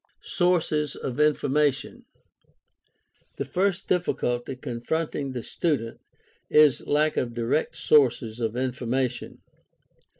Sources of information. — The first difficulty confronting the student is lack of direct sources of information.